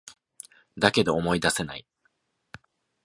だけど、思い出せない